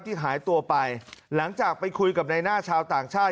หายตัวไปหลังจากไปคุยกับในหน้าชาวต่างชาติ